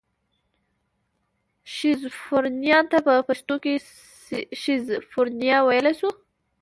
شیزوفرنیا ته په پښتو کې شیزوفرنیا ویلی شو.